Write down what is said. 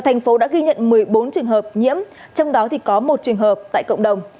thành phố đã ghi nhận một mươi bốn trường hợp nhiễm trong đó có một trường hợp tại cộng đồng